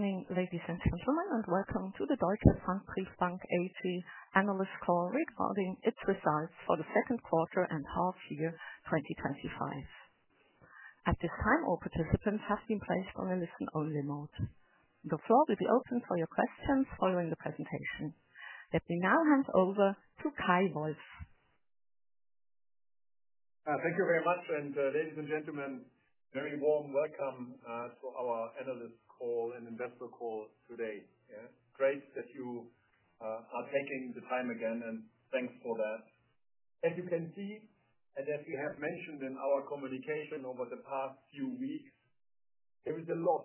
Morning, ladies and gentlemen, and welcome to the Deutsche Pfandbriefbank AG's Analyst Call regarding its results for the second quarter and half year, 2025. At this time, all participants have been placed on a listen-only mode. The floor will be open for your questions following the presentation. Let me now hand over to Kay Wolf. Thank you very much. Ladies and gentlemen, a very warm welcome to our Analyst Call and Investor Call today. Great that you are taking the time again, and thanks for that. As you can see, and as we have mentioned in our communication over the past few weeks, there is a lot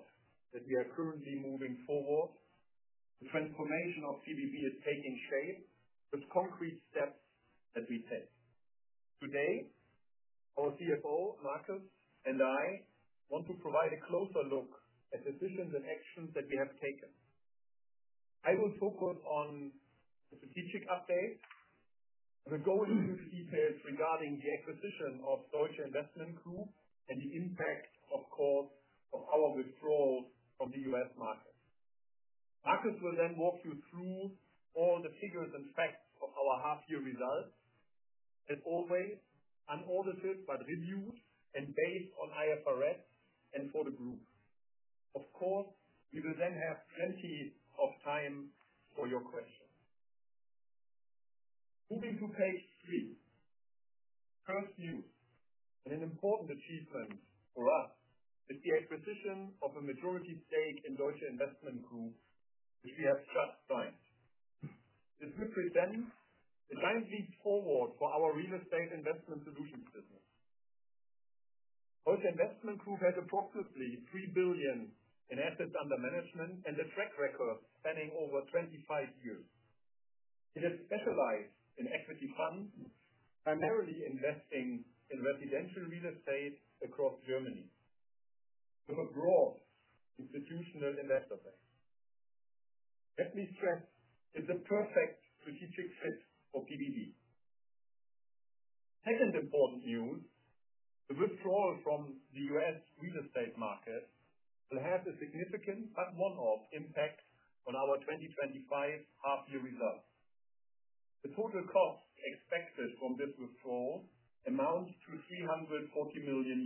that we are currently moving forward. The transformation of PBB is taking shape with concrete steps that we've had. Today, our CFO, Marcus and I want to provide a closer look at the different directions that we have taken. I will focus on the strategic update. We are going to see this regarding the acquisition of Deutsche Investment Group and the impact, of course, of our withdrawals from the U.S. market. Marcus will then walk you through all the figures and facts of our half-year results. As always, unorthodox but reviewed and based on IFRS and for the group. Of course, we will then have plenty of time for your questions. Moving to page three, first news, and an important achievement for us is the acquisition of a majority stake in Deutsche Investment Group, which we have just started. It represents a giant leap forward for our real estate investment solutions business. Deutsche Investment Group has approximately €3 billion in assets under management and a track record spanning over 25 years. It is specialized in equity funds, primarily investing in residential real estate across Germany. We have a broad institutional investor base. Let me stress, it's a perfect strategic fit for PBB. Second important news, the withdrawal from the U.S. real estate market will have a significant and one-off impact on our 2025 half-year results. The total cost expected from this withdrawal amounts to €340 million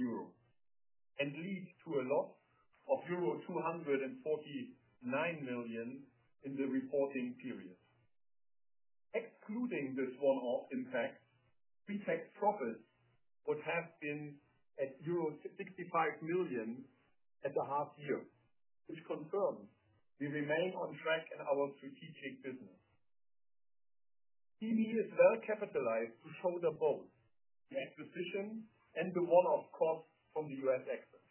and leads to a loss of €249 million in the reporting period. Excluding this one-off impact, the fact profits would have been at €65 million at the half year, which confirms we remain on track in our strategic business. PBB is well capitalized to sow both the acquisition and the one-off cost from the U.S. exit.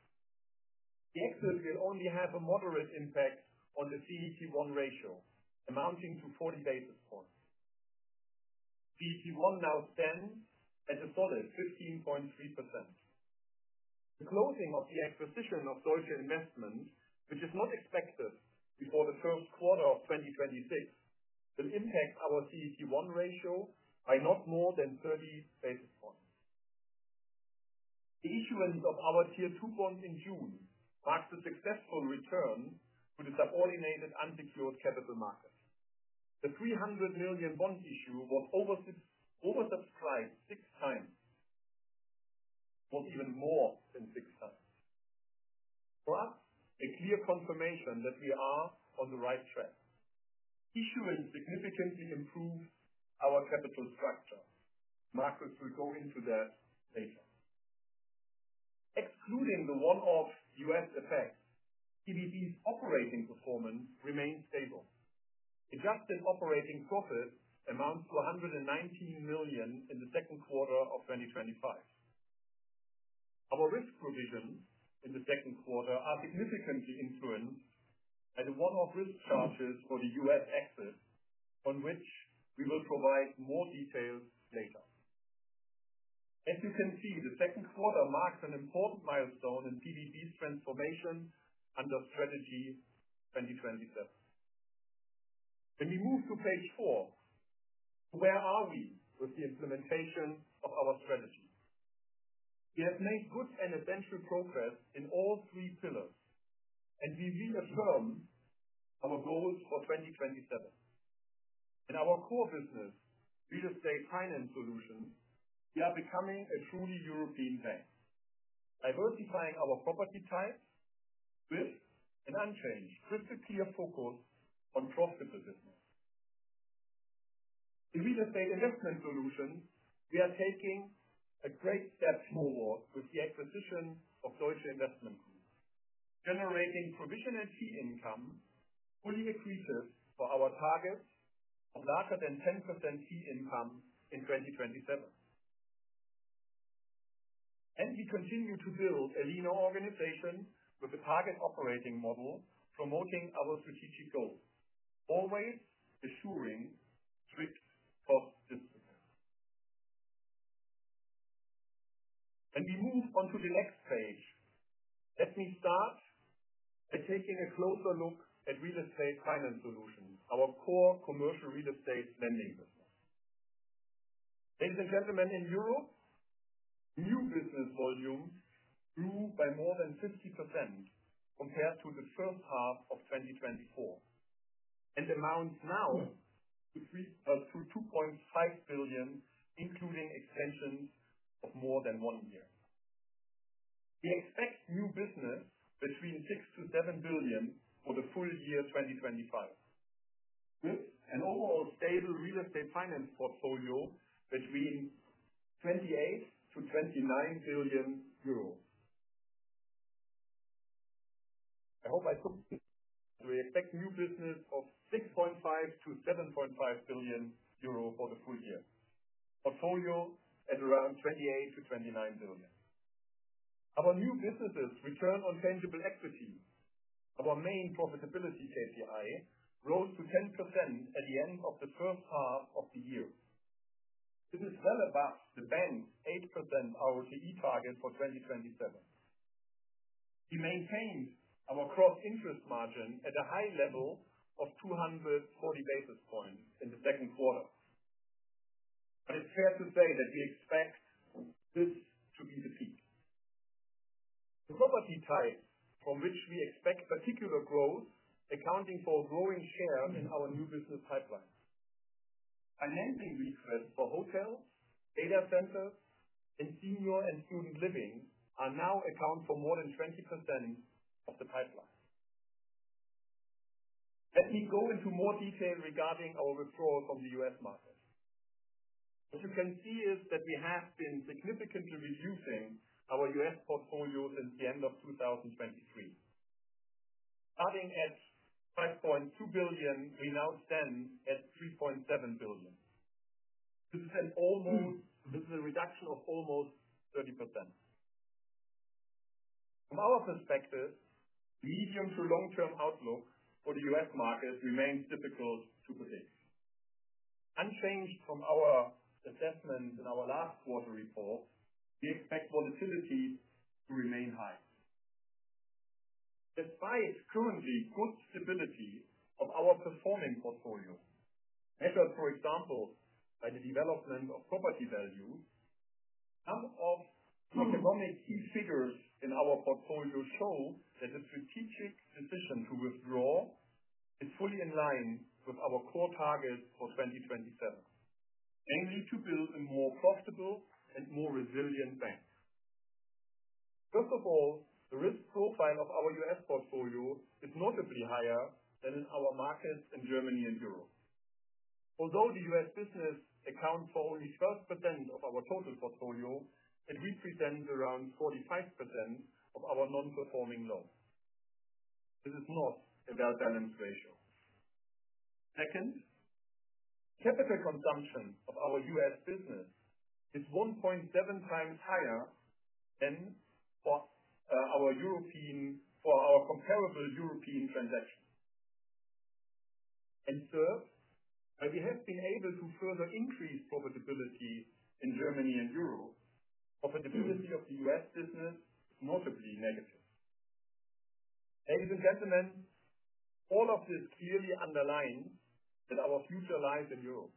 The exit will only have a moderate impact on the CET1 ratio, amounting to 40 basis points. CET1 now stands at a solid 15.3%. The closing of the acquisition of Deutsche Investment Group, which is not expected before the first quarter of 2026, will impact our CET1 ratio by not more than 30 basis points. The issuance of our Tier 2 bond in June marks a successful return to the subordinated unsecured capital market. The €300 million bond issue was oversubscribed 6x. It was even more than successful. Plus, a clear confirmation that we are on the right track. Issuance significantly improves our capital structure. Marcus will go into that later. Including the one-off U.S. effect, PBB's operating performance remains stable. Adjusted operating profit amounts to €119 million in the second quarter of 2025. Our risk provisions in the second quarter are significantly influenced by the one-off risk charges for the U.S. exit, on which we will provide more details later. As you can see, the second quarter marks an important milestone in PBB's transformation under Strategy 2027. When we move to page four, where are we with the implementation of our strategy? We have made good and adventurous progress in all three pillars, and we reaffirmed our goals for 2027. In our core business, real estate finance solutions, we are becoming a truly European bank, diversifying our property types with an unchanged, specifically a focus on profitable business. In real estate investment solutions, we are taking a great step forward with the acquisition of Deutsche Investment Group, generating provisionary fee income fully accreted for our target of larger than 10% fee income in 2027. We continue to build a leaner organization with a target operating model, promoting our strategic goals, always assuring strict cost differences. We move on to the next stage. Let me start by taking a closer look at real estate finance solutions, our core commercial real estate lending business. Ladies and gentlemen, in Europe, new business volume grew by more than 50% compared to the first half of 2024 and amounts now to €3.5 billion, including extensions of more than one year. We expect new business between €6 billion-€7 billion for the full year 2025. An overall stable real estate finance portfolio between €28 billion-€29 billion. I hope I could expect new business of €6.5 billion-€7.5 billion for the full year. Portfolio at around €28 billion-€29 billion. Our new business's return on tangible equity, our main profitability KPI, rose to 10% at the end of the first half of the year. It is well above the bank's 8% ROTE target for 2027. We maintained our cross-interest margin at a high level of 240 basis points in the second quarter. I'm scared to say that we expect this to be the property type for which we expect particular growth, accounting for a growing share in our new business pipeline. Our lending business for hotels, data centers, and senior and student living now accounts for more than 20% of the pipeline. Let me go into more detail regarding our withdrawal from the U.S. market. As you can see, we have been significantly reducing our U.S. portfolios since the end of 2023. Starting at €5.2 billion, we now stand at €3.7 billion. This is a reduction of almost 30%. From our perspective, the medium to long-term outlook for the U.S. market remains difficult to predict. Unchanged from our assessment in our last quarter report, we expect volatility to remain high. Despite currently good stability of our performing portfolio, measured, for example, by the development of property value, some of the promising figures in our portfolio show that the strategic decision to withdraw is fully in line with our core targets for 2027, aiming to build a more profitable and more resilient bank. First of all, the risk profile of our U.S. portfolio is notably higher than in our markets in Germany and Europe. Although the U.S. business accounts for only 12% of our total portfolio, it represents around 45% of our non-performing loans. This is not a well-balanced ratio. Second, capital consumption of our U.S. business is 1.7x higher than for our comparable European transactions. Third, we have been able to further increase profitability in Germany and Europe. Profitability of the U.S. business is markedly negative. Ladies and gentlemen, all of this clearly underlines that our future lies in Europe.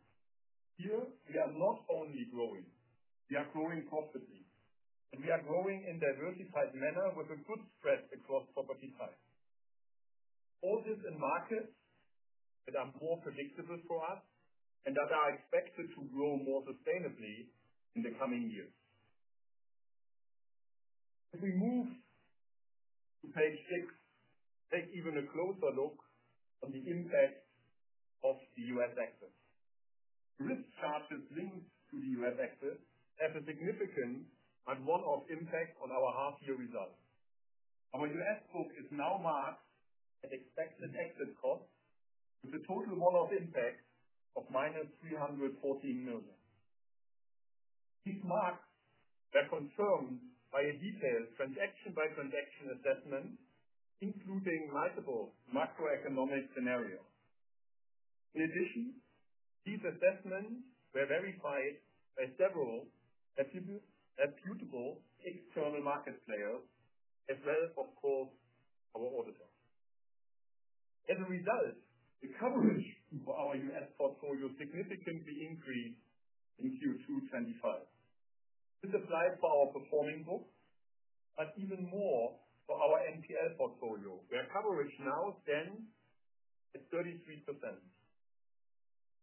Here, we are not only growing. We are growing corporately, and we are growing in a diversified manner with a good stress across property types. All this in markets that are more predictable for us and that are expected to grow more sustainably in the coming years. As we move to page six, take even a closer look on the impact of the U.S. exit. The risk chart that links to the U.S. exit has a significant and one-off impact on our half-year results. Our U.S. group is now marked and expects an exit cost with a total one-off impact of -€314 million. This mark is confirmed by a detailed transaction-by-transaction assessment, including multiple macroeconomic scenarios. In addition, these assessments were verified by several attributable external market players as well as, of course, our auditors. As a result, the coverage of our U.S. portfolio significantly increased in Q2 2025. This applies for our performing books, but even more for our NPL portfolio, where coverage now stands at 33%.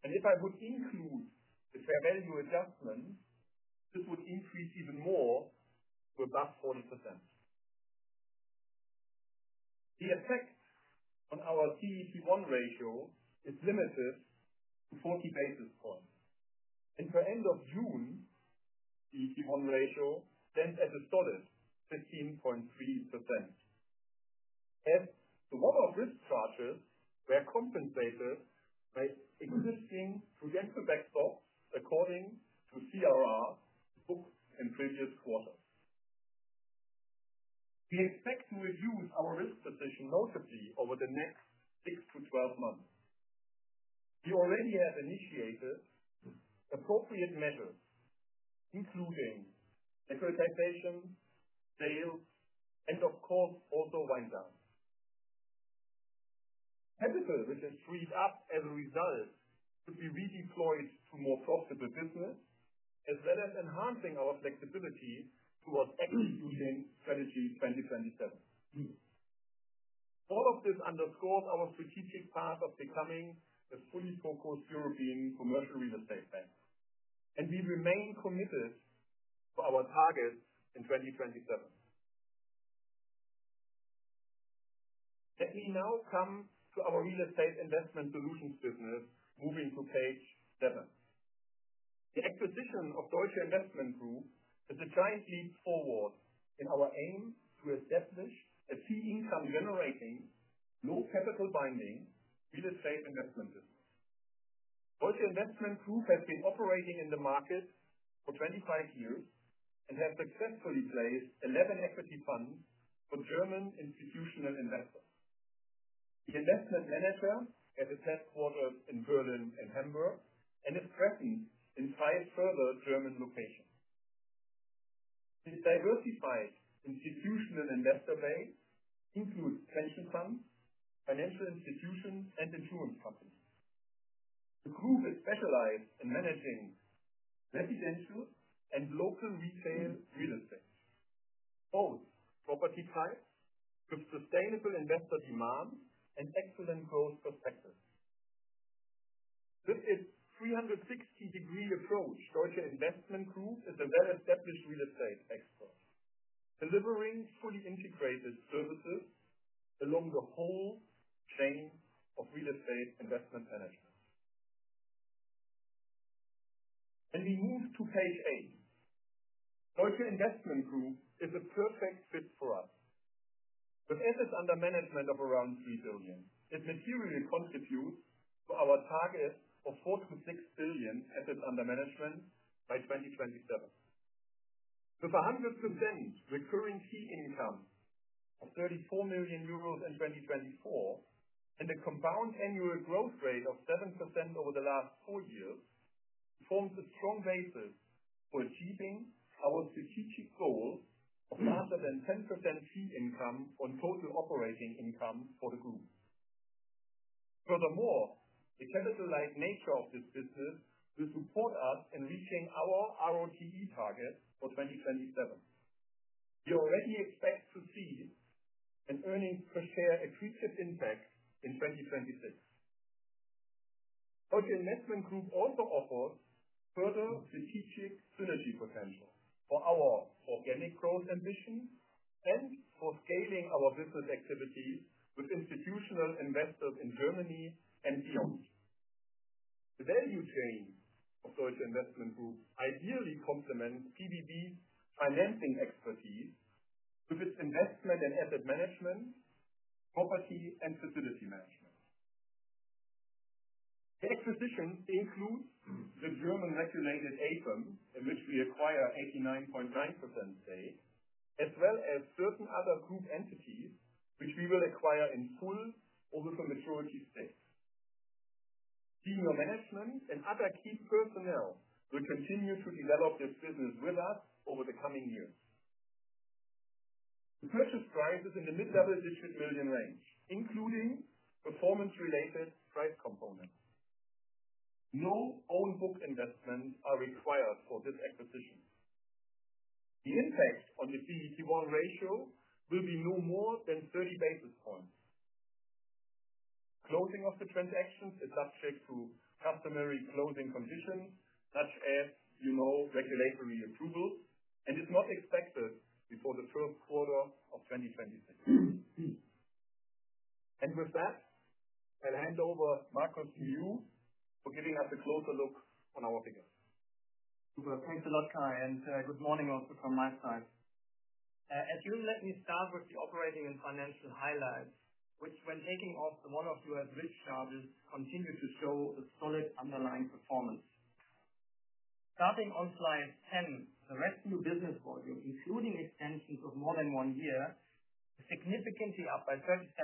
If I would include the fair value adjustments, this would increase even more with about 40%. The effect on our CET1 ratio is limited to 40 basis points. For the end of June, CET1 ratio stands at a solid 15.3%. As the one-off risk charges were compensated by existing residential backstop according to CRR booked in previous quarters, we expect to reduce our risk position noticeably over the next 6-12 months. We already have initiated appropriate measures, including different taxation, sales, and, of course, also wind downs. Capital, which is freed up as a result, could be redeployed to more profitable business, as well as enhancing our flexibility towards equity-building strategies by different accounts. All of this underscores our strategic path of becoming a fully focused European commercial real estate bank. We remain committed to our targets in 2027. Let me now come to our real estate investment solutions business, moving to page seven. The acquisition of Deutsche Investment Group is a giant leap forward in our aim to establish a fee-generating, capital-light real estate investment business. Deutsche Investment Group has been operating in the market for 25 years and has successfully placed 11 equity funds for German institutional investors. The investment manager has its headquarters in Berlin and Hamburg and is present in five further German locations. The diversified institutional investor base includes pension funds, financial institutions, and insurance companies. The group is specialized in managing residential and local retail real estate, both property types with sustainable investor demands and excellent cost perspectives. With this 360-degree approach, Deutsche Investment Group is a well-established real estate expert, delivering fully integrated services along the whole chain of real estate investment management. We move to page eight. Deutsche Investment Group is a perfect fit for us. With assets under management of around €3 billion, it materially contributes to our target of €4.6 billion assets under management by 2027. With 100% recurring fee income of €34 million in 2024 and a compound annual growth rate of 7% over the last four years, it forms a strong basis for achieving our strategic goal of larger than 10% fee income on total operating income for the group. Furthermore, the capital-light nature of this business will support us in reaching our ROTC target for 2027. We already expect to see an earnings per share accretive impact in 2026. Deutsche Investment Group also offers further strategic synergy potential for our organic growth ambitions and for scaling our business activity with institutional investors in Germany and beyond. The value chain of Deutsche Investment Group ideally complements PBB's financing expertise with its investment and asset management, property, and facility management. Acquisitions include the German-regulated AFEM, in which we acquire an 89.9% stake, as well as certain other group entities, which we will acquire in full over the maturity stake. Senior Management and other key personnel will continue to develop this business with us over the coming years. The purchase price is in the mid-double digit million range, including performance-related price components. No own book investments are required for this acquisition. The impact on the CET1 ratio will be no more than 30 basis points. Closing of the transactions is subject to customary closing conditions, such as regulatory approvals, and is not expected before the fourth quarter of 2026. With that, I'll hand over Marcus to you for giving us a closer look on our figures. Thanks a lot, Kay, and good morning also from my side. As you'll let me start with the operating and financial highlights, which when taking off a lot of U.S. risk charts, continue to show a solid underlying performance. Starting on slide 10, the rescue business volume, including extensions of more than one year, is significantly up by 37%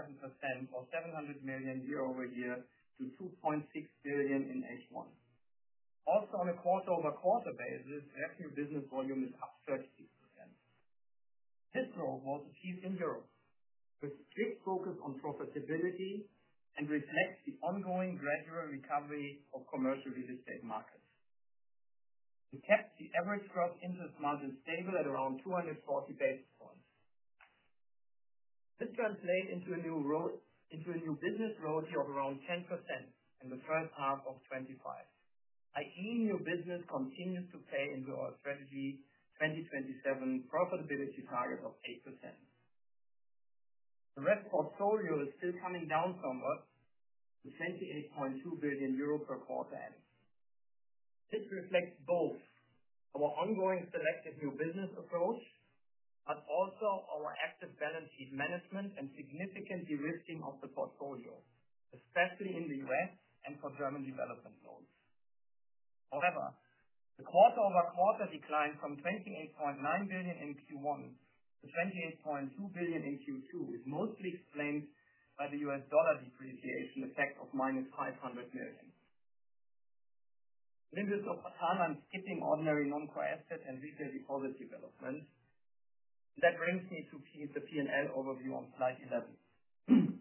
or €700 million year-over-year to €2.6 billion in H1. Also, on a quarter-over-quarter basis, rescue business volume is up 32%. This growth was achieved in Europe. A strict focus on profitability reflects the ongoing gradual recovery of commercial real estate markets. The average cross-interest margin is stable at around 240 basis points. This translates into a new business loyalty of around 10% in the third half of 2025. I.e., new business continues to play into our Strategy 2027 profitability target of 8%. The rest of the portfolio is still coming down from us to €28.2 billion per quarter end. This reflects both our ongoing selective new business approach, but also our active balance sheet management and significant de-risking of the portfolio, especially in the U.S. and for German development zones. However, the quarter-over-quarter decline from €28.9 billion in Q1 to €28.2 billion in Q2 is mostly explained by the U.S. dollar depreciation effect of -€500 million. Limited for the time I'm skipping ordinary non-core assets and resale recovery developments. That brings me to keep the P&L overview on slide 11.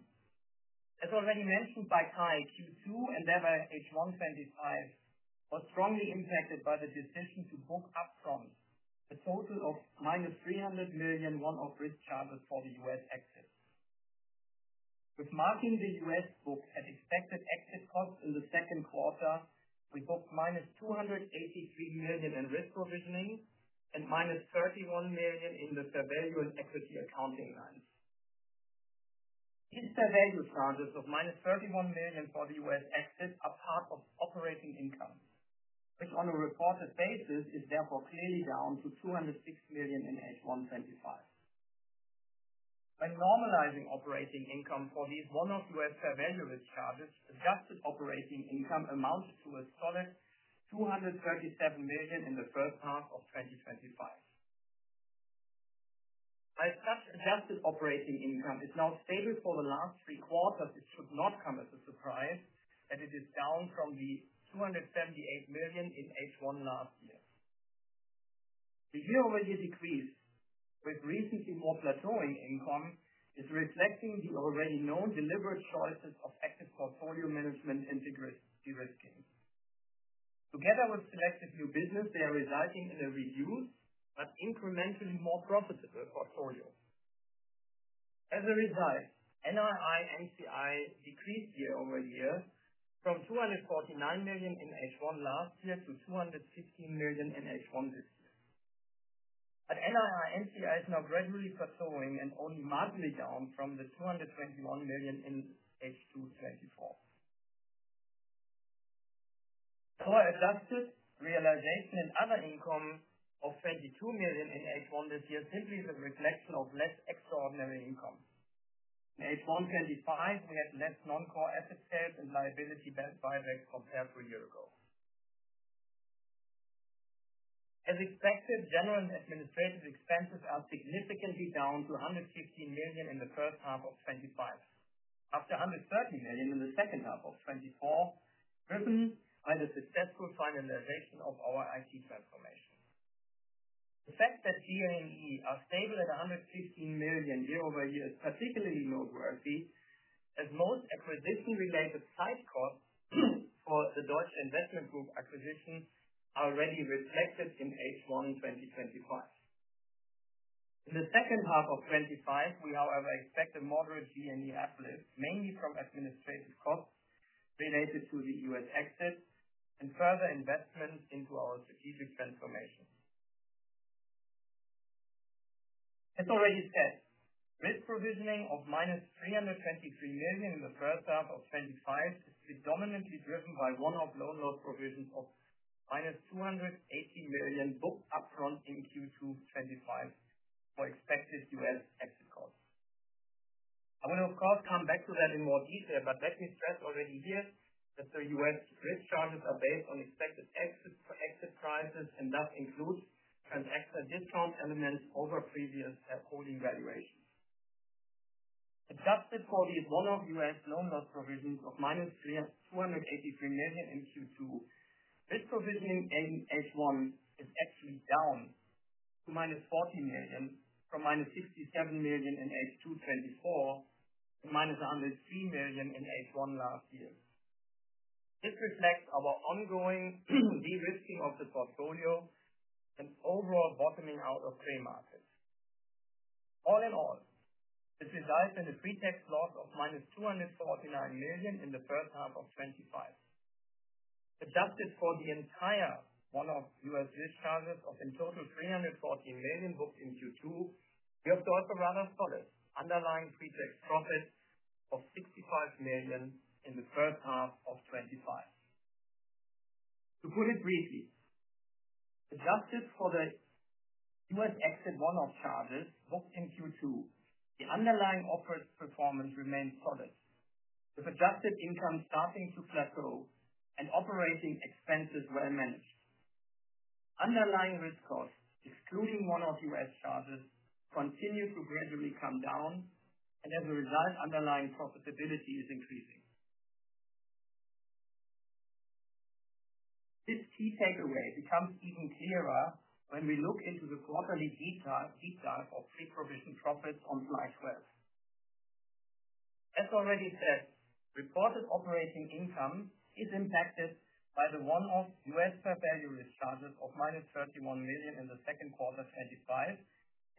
As already mentioned by Kay, Q2 and thereby H1 2025 was strongly impacted by the decision to book upfront a total of - €300 million one-off risk charges for the U.S. exit. With marking the U.S. book at expected exit cost in the second quarter, we booked €283 million in risk provisioning and -€31 million in the fair value and equity accounting lines. These fair value charges of -€31 million for the U.S. exit are part of operating income, which on a reported basis is therefore clearly down to €206 million in H1 2025. When normalizing operating income for these one-off U.S. fair value risk charges, adjusted operating income amounts to a solid €237 million in the third half of 2025. As such, adjusted operating income is now stable for the last three quarters. It should not come as a surprise that it is down from the €278 million in H1 last year. The year-over-year decrease with recently more plateauing income is reflecting the already known deliberate choices of active portfolio management and de-risking. Together with selective new business, they are resulting in a reduced but incrementally more profitable portfolio. As a result, NRI/NCI decreased year-over-year from €249 million in H1 last year to €215 million in H1 this year. NRI/NCI is now gradually plateauing and only markedly down from the €221 million in H2 2024. Our adjusted realization in other incomes of €32 million in H1 this year simply is a reflection of less extraordinary income. In H1 2025, we had less non-core asset stakes and liability benchmarks compared to a year ago. As expected, general and administrative expenses are significantly down to €115 million in the first half of 2025, up to €130 million in the second half of 2024, driven by the successful finalization of our IT transformation. The fact that G&A are stable at €115 million year-over-year is particularly noteworthy as most acquisition-related site costs for the Deutsche Investment Group acquisition are already reflected in H1 2025. In the second half of 2025, we, however, expect a moderate G&A uplift, mainly from administrative costs related to the U.S. exit and further investments into our strategic transformation. As already said, risk provisioning of -€323 million in the first half of 2025 is predominantly driven by one-off loan load provisions of -€218 million booked upfront in Q2 2025 for expected U.S. exit costs. I will, of course, come back to that in more detail, but let me stress already here that the U.S. risk charges are based on expected exit prices and do include transactional discount eminence over previous holding valuations. Adjusted for the one-off U.S. loan load provisions of -€283 million in Q2, risk provisioning in H1 is actually down to -€40 million from -€67 million in H2 2024 to -€103 million in H1 last year. This reflects our ongoing de-risking of the portfolio and overall bottoming out of play markets. All in all, this resulted in a pre-tax loss of -€249 million in the first half of 2025. Adjusted for the entire one-off U.S. risk charges of in total €314 million booked in Q2, we have stored a rather solid underlying pre-tax profit of €65 million in the first half of 2025. To put it briefly, adjusted for the U.S. exit one-off charges booked in Q2, the underlying operating performance remains solid with adjusted income starting to plateau and operating expenses well managed. Underlying risk costs, excluding one-off U.S. charges, continue to gradually come down, and as a result, underlying profitability is increasing. This key takeaway becomes even clearer when we look into the quarterly detail of free provision profits on slide 12. As already said, reported operating income is impacted by the one-off U.S. fair value risk charges of -€31 million in the second quarter of 2025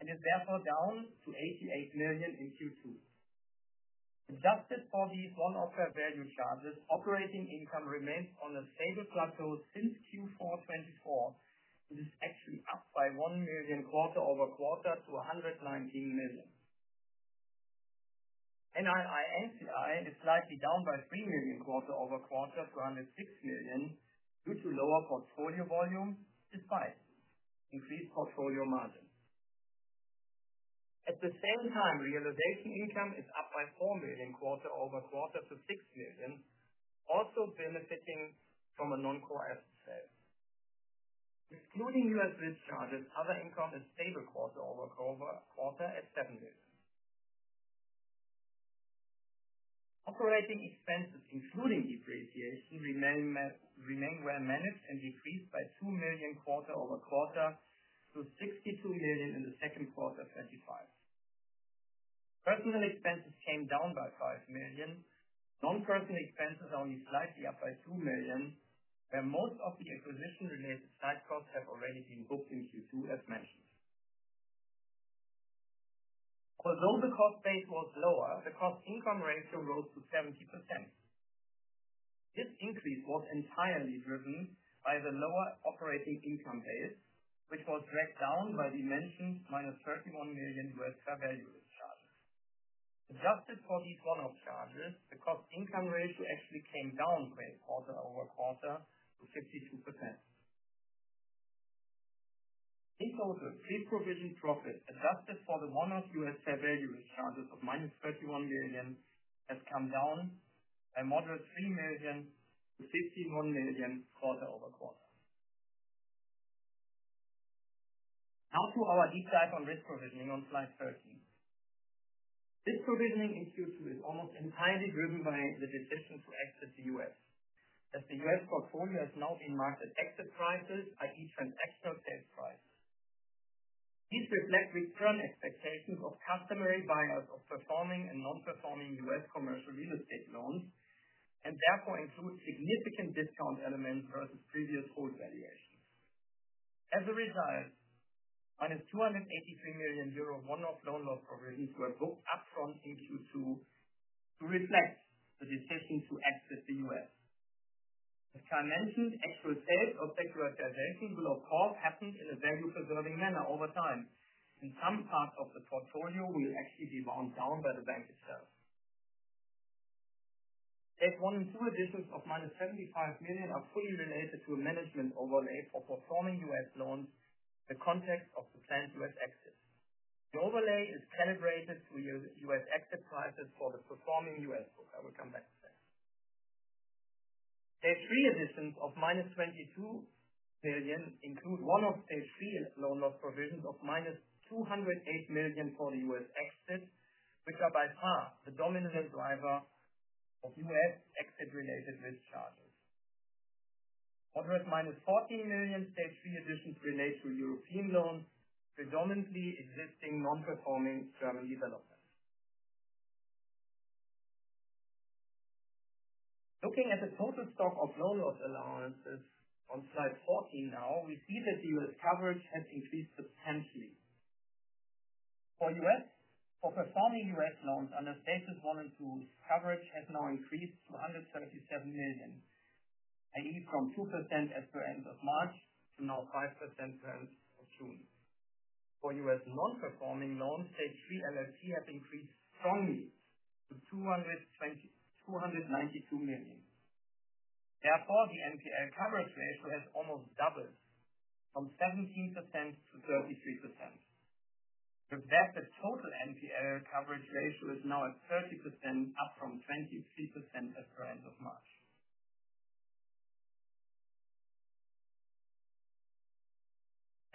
and is therefore down to €88 million in Q2. Adjusted for the one-off fair value charges, operating income remains on a stable plateau since Q4 2024. It is actually up by €1 million quarter-over-quarter to €119 million. NRI/NCI is slightly down by €3 million quarter-over-quarter to €106 million, due to lower portfolio volume despite increased portfolio margins. At the same time, realization income is up by €4 million quarter-over-quarter to €6 million, also benefiting from a non-core asset sale. Excluding U.S. risk charges, other income is stable quarter-over-quarter at €7 million. Operating expenses, including depreciation, remain well managed and decreased by €2 million quarter-over-quarter to €62 million in the second quarter of 2025. Personnel expenses came down by €5 million. Non-personnel expenses are only slightly up by €2 million, and most of the acquisition-related site costs have already been booked in Q2, as mentioned. Although the cost base was lower, the cost-income ratio rose to 70%. This increase was entirely driven by the lower operating income base, which was dragged down by the mentioned -€31 million U.S. fair value risk charges. Adjusted for these one-off charges, the cost-income ratio actually came down quarter-over-quarter to 52%. In total, free provision profit adjusted for the one-off U.S. fair value risk charges of -€31 million has come down by a moderate €3 million-€51 million quarter-over-quarter. Now to our detail on risk provisioning on slide 13. Risk provisioning in Q2 is almost entirely driven by the decision to exit the U.S., as the U.S. portfolio has now been marked at exit prices, i.e., through an exit of sales prices. These reflect return expectations of customary buyers of performing and non-performing U.S. commercial real estate loans and therefore include significant discount elements versus previous hold valuations. As a result, -€283 million of one-off loan loss provisions were booked upfront in Q2 to reflect the decision to exit the U.S. As I mentioned, actual sales of secular diverging below cost happened in a value-preserving manner over time, and some part of the portfolio will actually be marked down by the bank itself. S1 and S2 additions of -€75 million are fully related to a management overlay for performing U.S. loans in the context of the planned U.S. exit. The overlay is calibrated to U.S. exit prices for the performing U.S. group. I will come back to that. S3 additions of -€22 million include one of S3 loan load provisions of -€208 million for the U.S. exit, which are by far the dominant driver of U.S. exit-related risk charges. Moderate -€14 million S3 additions relate to a European loan, predominantly existing non-performing German development. Looking at the total stock of loan loss allowances on slide 14 now, we see that the U.S. coverage has increased substantially. For U.S., for performing U.S. loans under S1 and S2, coverage has now increased to €177 million, i.e., from 2% as per end of March to now 5% per end of June. For U.S., non-performing loans, S3 and S3 have increased strongly to €292 million. Therefore, the NPL coverage ratio has almost doubled from 17%-33%. With that, the total NPL coverage ratio is now at 30%, up from 23% as per end of March.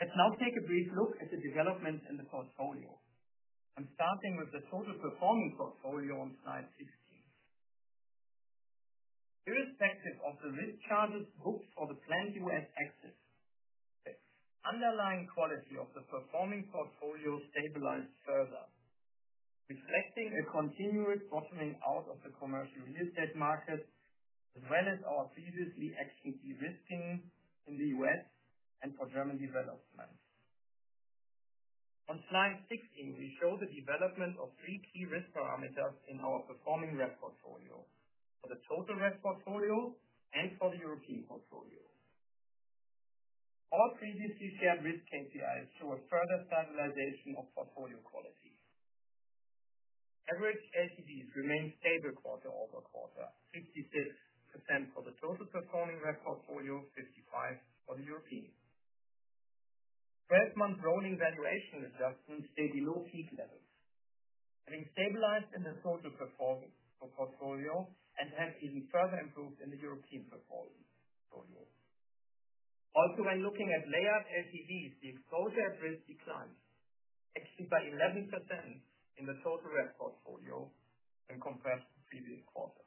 Let's now take a brief look at the developments in the portfolio. I'm starting with the total performing portfolio on slide 16. Irrespective of the risk charges booked for the planned U.S. exit, the underlying quality of the performing portfolio stabilized further, reflecting a continuous bottoming out of the commercial real estate market, as well as our previously exiting de-risking in the U.S., and for German developments. On slide 16, we show the development of three key risk parameters in our performing U.S. portfolio: for the total U.S. portfolio and for the European portfolio. All previously shared risk KPIs show a further stabilization of portfolio quality. Average entities remain stable quarter-over-quarter, 66% for the total performing U.S. portfolio, 55% for the European. 12-month rolling valuation adjustments stay below fee levels, having stabilized in the total performance for portfolio and have even further improved in the European portfolio. Also, when looking at layered SEVs, the exposure and risk declined actually by 11% in the total U.S. portfolio when compared to the previous quarter.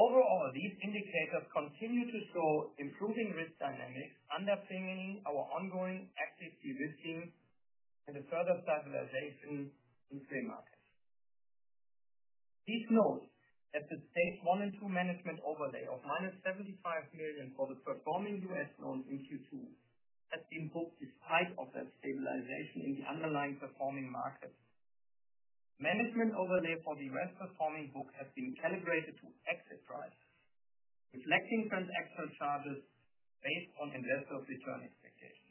Overall, these indicators continue to show improving risk dynamics, underpinning our ongoing active de-risking and a further stabilization in free markets. Please note that the stage one and two management overlay of -€75 million for the performing U.S. loans in Q2 has been booked despite that stabilization in the underlying performing markets. Management overlay for the U.S., performing book has been calibrated to exit prices, reflecting transactional charges based on investor return expectations.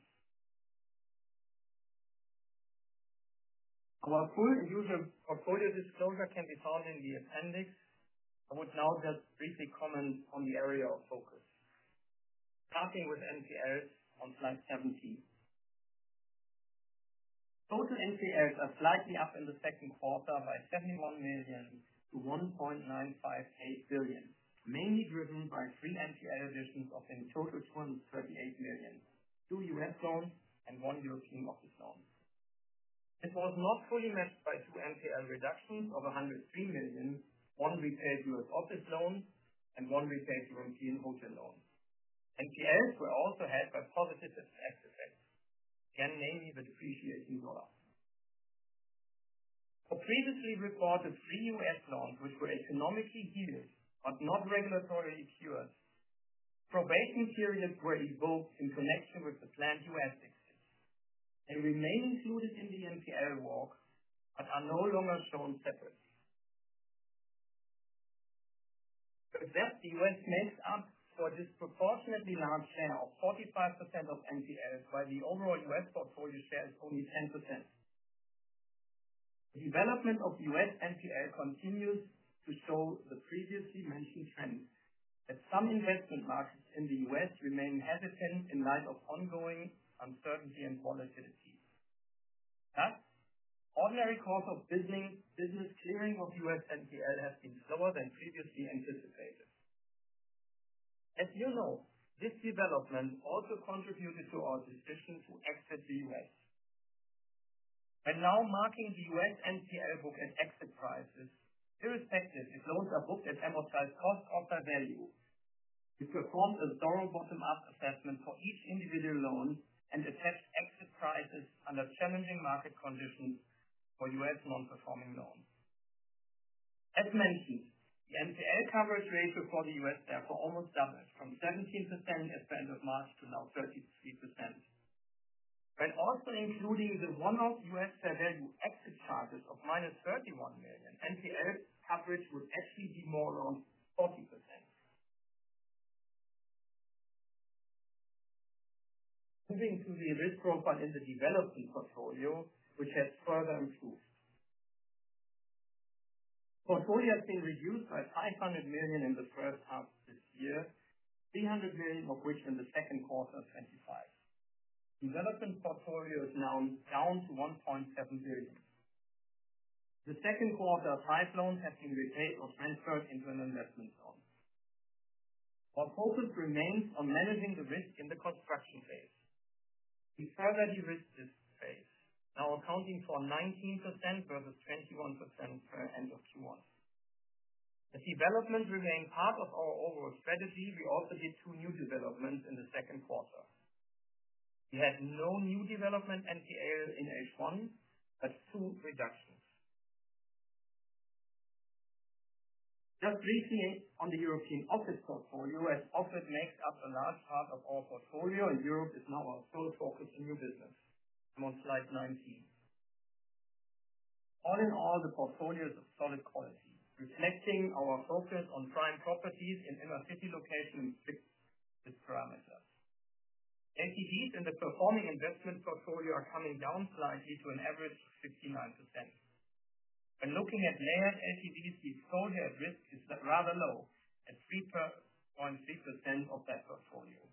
Our full usual portfolio disclosure can be found in the appendix. I would now just briefly comment on the area of focus, starting with NPLs on slide 17. Total NPLs are slightly up in the second quarter by €71 million-€1.95 billion, mainly driven by three NPL additions of in total €238 million: two U.S. loans and one European office loan. It was not fully met by two NPL reductions of €103 million: one repaid through an office loan and one repaid through a European hotel loan. NPLs were also held by positive exits, again namely the depreciation cost. For previously recorded three U.S. loans, which were economically healed but not regulatorily cured, probation periods were invoked in connection with the planned U.S. exit. They remain included in the NPL wall but are no longer stone steppers. The U.S. makes up for a disproportionately large share of 45% of NPLs, while the overall U.S. portfolio sales are only 10%. The development of U.S. STL continues to show the previously mentioned trend, as some investment markets in the U.S. remain hesitant in light of ongoing uncertainty and volatility. Thus, ordinary cost of business clearing of U.S. NPL has been lower than previously anticipated. As you know, this development also contributed to our decision to exit the U.S. Now marking the U.S. NPL book and exit prices, irrespective if loans are booked at amortized cost or fair value, we perform a thorough bottom-up assessment for each individual loan and assess exit prices under challenging market conditions for U.S. non-performing loans. As mentioned, the NPL coverage rate for the U.S. therefore almost doubled from 17% as per end of March to now 33%. When also including the one-off U.S. fair value exit charges of -€31 million, NPL coverage would actually be more around 40%. Moving to the risk profile in the development portfolio, which has further improved. Portfolio has been reduced by €500 million in the first half of this year, €300 million more crucial in the second quarter of 2025. Development portfolio is now down to €1.7 billion. The second quarter of live loans has been replaced with unsure interim investment loans. Our focus remains on managing the risk in the construction phase. We further de-risked this phase, now accounting for 19% versus 21% per end of Q1. As development remains part of our overall strategy, we also did two new developments in the second quarter. We had no new development NPLs in H1, but two reductions. Just briefly on the European office portfolio, as office makes up a large part of our portfolio and Europe is now our third focus in new business. I'm on slide 19. All in all, the portfolio is of solid quality, reflecting our focus on prime properties in inner city locations fixed with parameters. NPVs in the performing investment portfolio are coming down slightly to an average of 69%. Looking at layered NPVs, the exposure at risk is rather low, at 3.6% of that portfolio.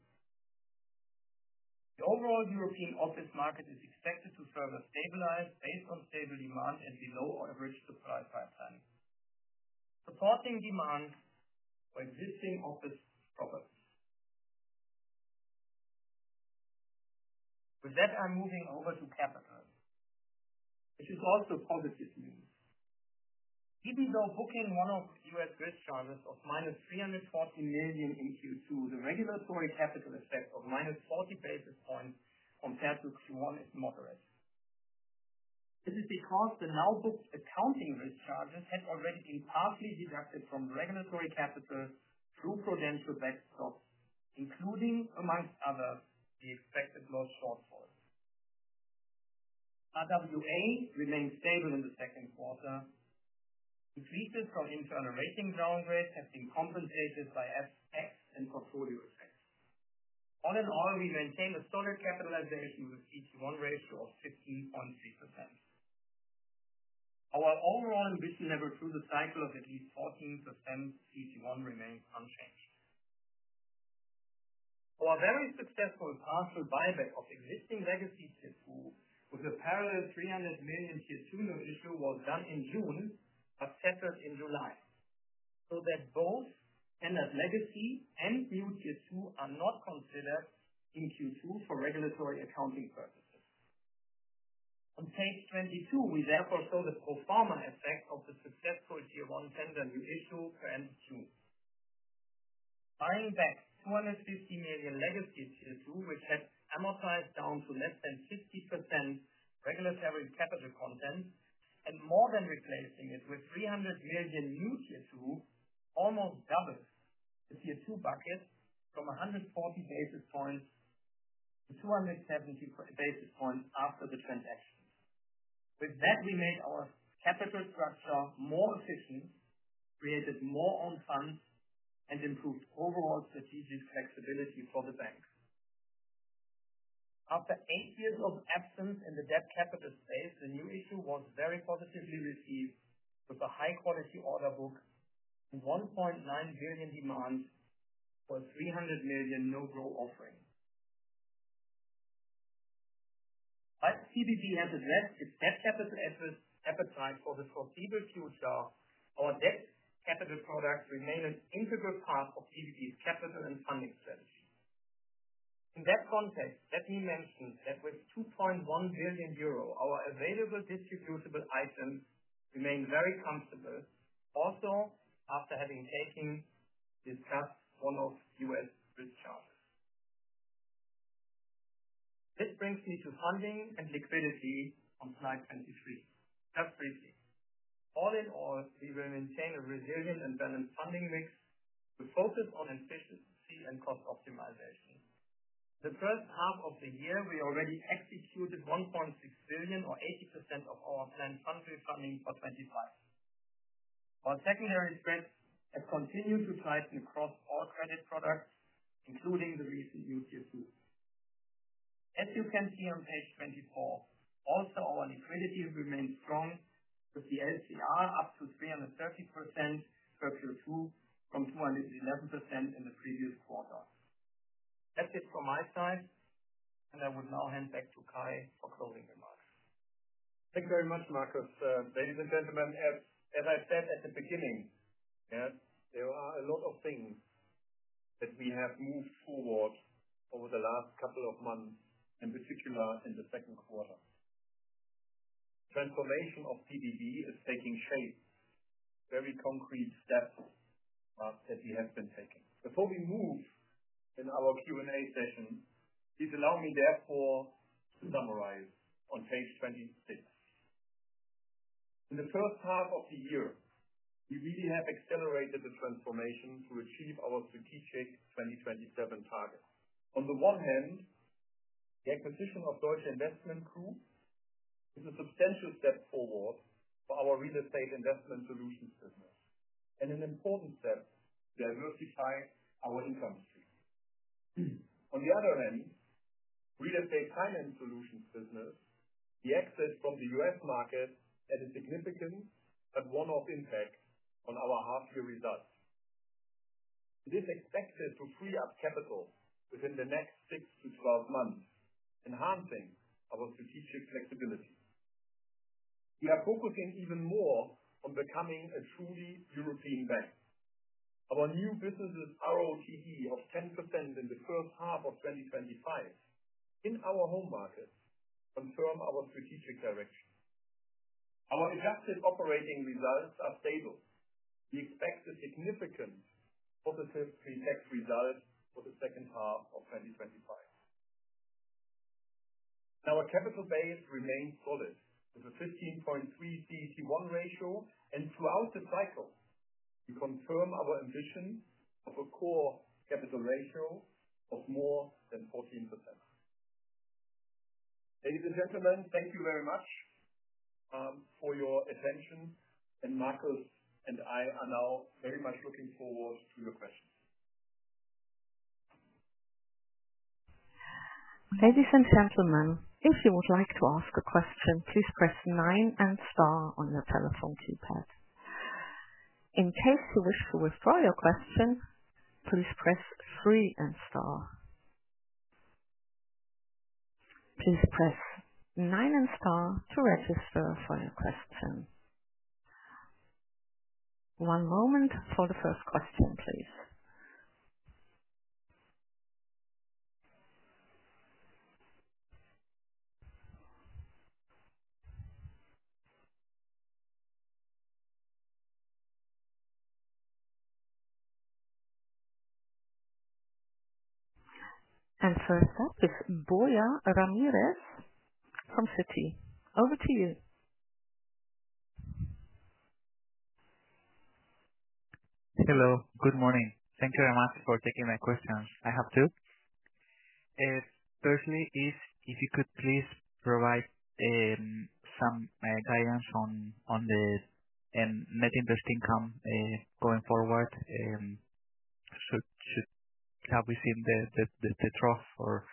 The overall European office market is expected to further stabilize based on stable demand and below average supply pipeline, supporting demand for existing office products. With that, I'm moving over to capital, which is also positive news. Even though booking one of the U.S. risk charges of -€340 million in Q2, the regulatory capital effect of -40 basis points compared to Q1 is moderate. This is because the now booked accounting risk charges had already been partially deducted from regulatory capital through prudential backstop, including, amongst others, the expected loss shortfall. RWA remains stable in the second quarter. Decreases from internal rating downgrades have been compensated by assets and portfolio effects. All in all, we maintain a solid capitalization with CET1 ratio of 16.6%. Our overall emission level through the cycle of at least 14% suspended CET1 remains unchanged. Our very successful partial buyback of existing legacy Tier 2, with a parallel €300 million Tier 2 new issue, was done in June but settled in July. Both tender legacy and new Tier 2 are not considered in Q2 for regulatory accounting purposes. On page 22, we therefore show the pro forma effect of the successful Q2 tender new issue per end of June. Buying back €250 million legacy Tier 2, which has amortized down to less than 60% regulatory capital content and more than replacing it with €300 million new Tier 2, almost doubles the Tier 2 bucket from 140 basis points-270 basis points after the transactions. With that, we make our capital structure more efficient, created more own funds, and improved overall strategic flexibility for the bank. After eight years of absence in the debt capital space, the new issue was very positively received with a high-quality order book and €1.9 billion demand for a €300 million no-grow offering. As PBB has addressed its debt capital exit appetite for the foreseeable future, our debt capital products remain an integral part of PBB's capital and funding strategy. In that context, let me mention that with €2.1 billion, our available distributable items remain very comfortable, also after having taken the first one-off U.S. risk charges. This brings me to funding and liquidity on slide 23. Just briefly, all in all, we will maintain a resilient and balanced funding mix with focus on efficiency and cost optimization. In the first half of the year, we already executed €1.6 billion or 80% of our planned funding for 2025. Our secondary issuance has continued to track across all credit products, including the recent new Q2. As you can see on page 24, also our liquidity remains strong with the LCR up to 330% per Q2 from 211% in the previous quarter. That's it from my side, and I would now hand back to Kay for closing remarks. Thank you very much, Marcus. Ladies and gentlemen, as I've said at the beginning, yes, there are a lot of things that we have moved forward over the last couple of months, in particular in the second quarter. Transformation of CDB is taking shape. Very concrete steps that we have been taking. Before we move in our Q&A session, please allow me therefore to summarize on page 26. In the first half of the year, we really have accelerated the transformation to achieve our strategic 2027 target. On the one hand, the acquisition of Deutsche Investment Group is a substantial step forward for our real estate investment solutions business and an important step that will refine our income stream. On the other end, the real estate finance solutions business, the exit from the U.S. market had a significant but one-off impact on our half-year results. This is expected to free up capital within the next 6-12 months, enhancing our strategic flexibility. We are focusing even more on becoming a truly European bank. Our new business's ROTE of 10% in the first half of 2025 in our home markets confirms our strategic direction. Our exacted operating results are stable. We expect a significant positive fintech result for the second half of 2025. Our capital base remains solid with a 15.3% CET1 ratio, and throughout the cycle, we confirm our ambition of a core capital ratio of more than 14%. Ladies and gentlemen, thank you very much for your attention. Marcus and I are now very much looking forward to your questions. Ladies and gentlemen, if you would like to ask a question, please press nine and Star on your telephone keypad. In case you wish to withdraw your question, please press three and Star. Please press nine and Star to register for your question. One moment for the first question, please. Answer for Borja Ramirez from Citi. Over to you. Hello. Good morning. Thank you very much for taking my question. I have two. Firstly, if you could please provide some guidance on the net interest income going forward, should we have seen the trough or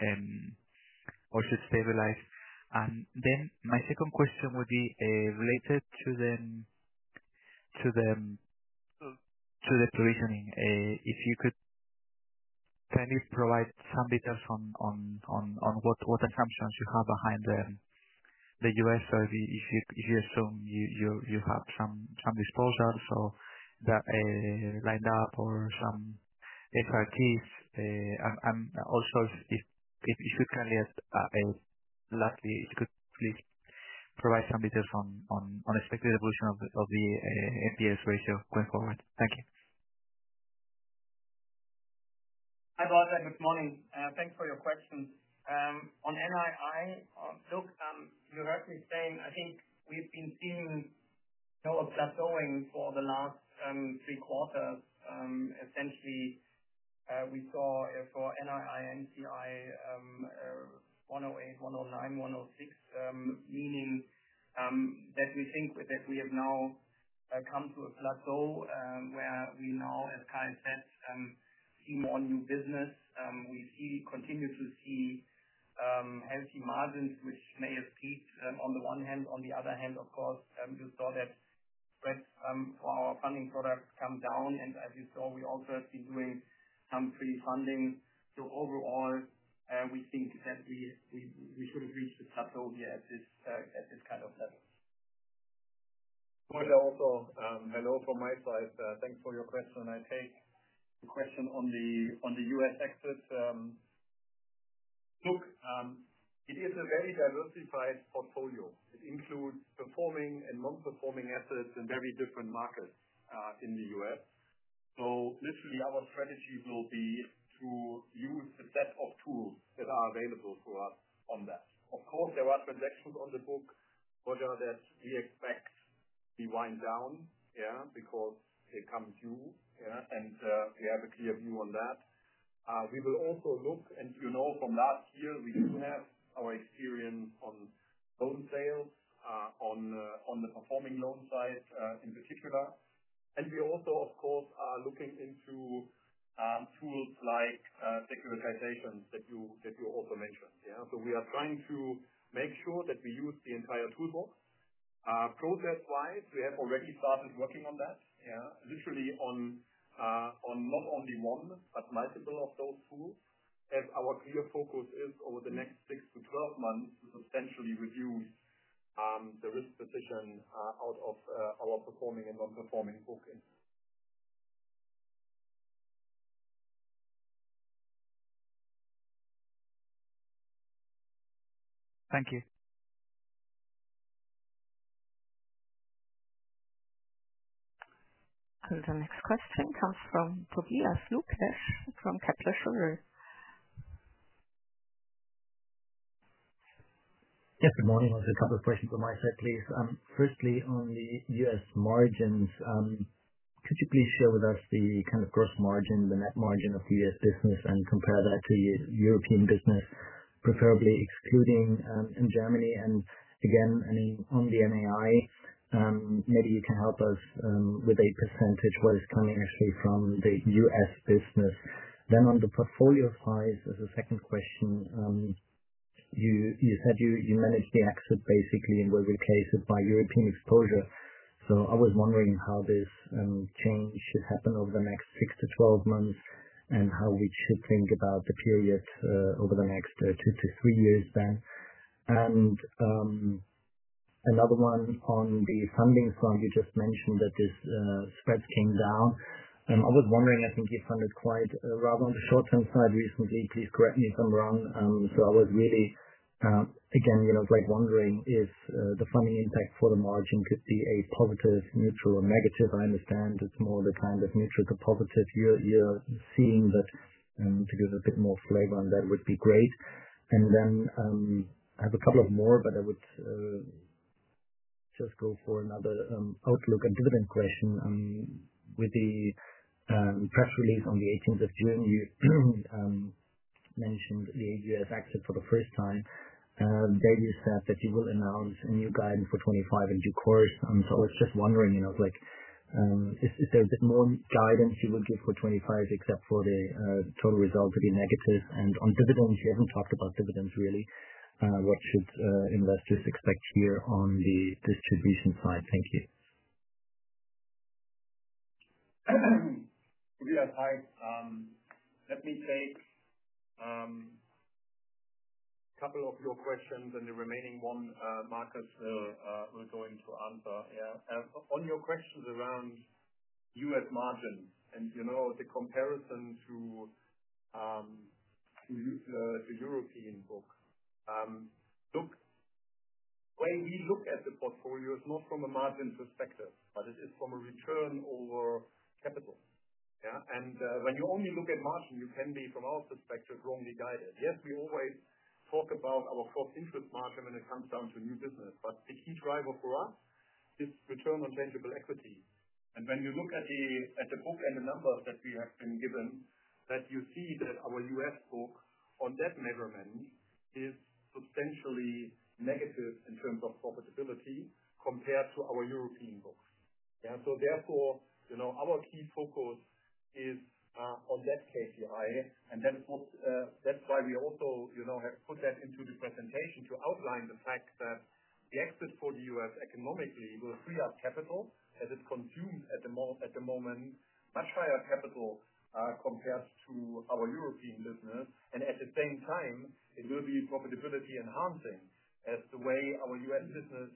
if it stabilized? My second question would be related to the provisioning. If you could kindly provide some details on what accounts you have behind the U.S., or if you assume you have some disposals lined up or some HR keys. Also, if you can, lastly, if you could please provide some details on the expected evolution of the NPLs ratio going forward. Thank you. Hi, Borja. Good morning. Thanks for your question. On NRI, look, you're rightly saying I think we've been seeing a kind of plateauing for the last three quarters. Essentially, we saw for NRI/NCI 108, 109, 106, meaning that we think that we have now come to a plateau where we now have had that more new business. We continue to see healthy margins, which may have peaked on the one hand. On the other hand, of course, you saw that spreads for our funding product come down. As you saw, we also have been doing some free funding. Overall, we think that we should have reached the plateau here at this kind of level. Borja, also hello from my side. Thanks for your question. I take the question on the U.S. exit. Look, it is a very diversified portfolio. It includes performing and non-performing assets in very different markets in the U.S. This will be our strategy: to use the set of tools that are available to us on that. Of course, there are projections on the book, whether that we expect to wind down because it comes due, and we have a clear view on that. We will also look, as you know from last year, we do have our experience on loan sale, on the performing loan side in particular. We also, of course, are looking into tools like securitizations that you also mentioned. We are trying to make sure that we use the entire toolbox. Progress-wise, we have already started working on that, literally on not only one, but multiple of those tools, as our clear focus is over the next 6-12 months to substantially review the risk decision out of our performing and non-performing booking. Thank you. The next question comes from Tobias Lukesch from Kepler Cheuvreux Yes, good morning. I have a couple of questions on my side, please. Firstly, on the U.S. margins, could you please share with us the kind of gross margin, the net margin of the U.S. business, and compare that to European business, preferably excluding in Germany? Again, any on the NAI, maybe you can help us with a % what is coming initially from the U.S. business. On the portfolio size, as a second question, you said you managed the exit basically and were replaced by European exposure. I was wondering how this change should happen over the next 6-12 months and how we should think about the period over the next two to three years there. Another one on the funding front, you just mentioned that these spreads came down. I was wondering, I think you funded quite well on the short-term side recently. Please correct me if I'm wrong. I was really, again, wondering if the funding impact for the margin could be a positive, neutral, or negative. I understand it's more defined as neutral to positive. You're seeing that to give a bit more flavor on that would be great. I have a couple of more, but I would just go for another outlook and dividend question. With the press release on the 18th of June, you mentioned the U.S. exit for the first time. The daily said that you will announce new guidance for 2025 in due course. I was just wondering, is there a bit more guidance you would do for 2025 except for the total result to be negative on dividends? You haven't talked about dividends really. What should investors expect here on the distribution side? Thank you. All right. Let me take a couple of your questions, and the remaining one, Marcus, we're going to answer. On your questions around U.S. margins and the comparison to the European book, when we look at the portfolio, it's not from a margin perspective, but it is from a return over capital. When you only look at margin, you can be, from our perspective, wrongly guided. Yes, we always talk about our forced interest margin when it comes down to new business. The key driver for us is return on tangible equity. When you look at the book and the numbers that we have been given, you see that our U.S. book on debt measurement is potentially negative in terms of profitability compared to our European books. Therefore, our key focus is on net case UI. That's why we also have put that into the presentation to outline the fact that the exit for the U.S. economically will free up capital as it's consumed at the moment, much higher capital compared to our European business. At the same time, it will be profitability enhancing as the way our U.S. business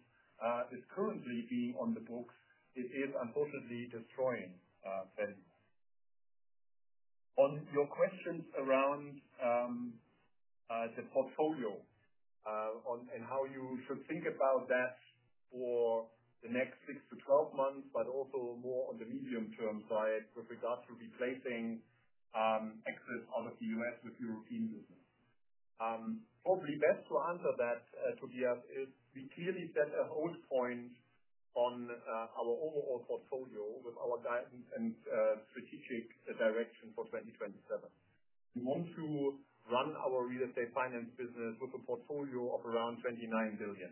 is currently being on the books is unfortunately destroying them. On your questions around the portfolio and how you should think about that for the next 6-12 months, but also more on the medium-term side with regards to replacing exits out of the U.S. with European business, probably best to answer that, Tobias, is we clearly set a host point on our overall portfolio with our guidance and strategic direction for 2027. We want to run our real estate finance business with a portfolio of around €29 billion.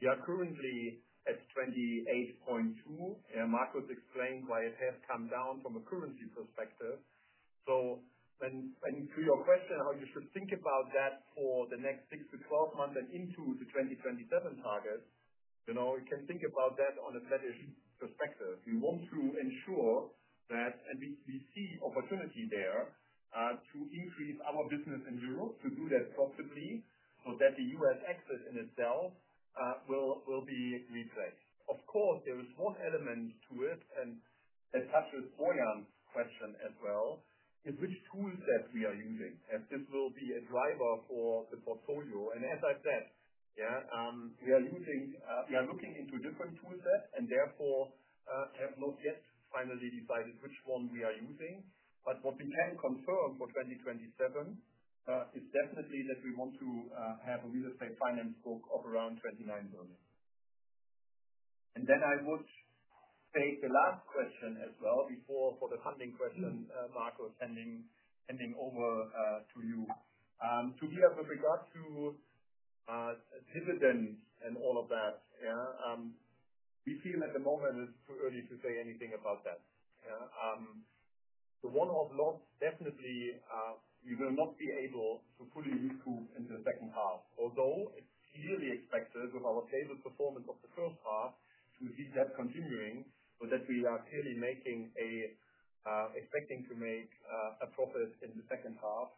We are currently at €28.2 billion. Marcus explained why it has come down from a currency perspective. To your question how you should think about that for the next 6-12 months and into the 2027 target, we can think about that on a strategic perspective. We want to ensure that, and we see opportunity there, to increase our business in Europe to do that profitably or that the U.S. exit in itself will be replaced. Of course, there is one element to it, and it has to do with the Boira question as well, which toolset we are using, and this will be a driver for the portfolio. As I said, we are using, we are looking into different toolsets, and therefore, have not yet finally decided which one we are using. What we can confirm for 2027 is definitely that we want to have a real estate finance book of around €29 billion. I would take the last question as well before the funding question, Marcus, and then hand over to you. Tobias, with regards to dividends and all of that, we feel at the moment it's too early to say anything about that. The one-off loans, definitely, we will not be able to fully recoup in the second half, although it's easily expected with our favored performance of the first half to keep that continuing or that we are clearly making, expecting to make, a profit in the second half.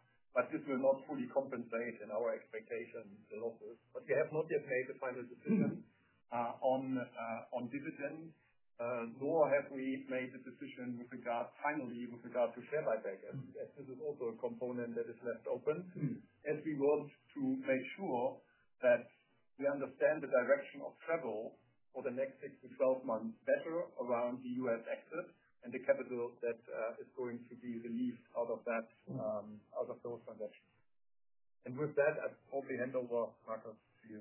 This will not fully compensate in our expectations, Marcus. We have not yet made a final decision on dividends, nor have we made the decision finally with regard to share buyback. This is also a component that is left open. We want to make sure that we understand the direction of travel for the next 6-12 months better around the U.S. exit and the capital that is going to be released out of those transactions. With that, I'll probably hand over to Marcus. Yeah.